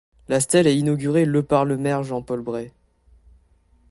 La stèle est inaugurée le par le maire Jean-Paul Bret.